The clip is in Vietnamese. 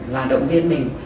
là động viên mình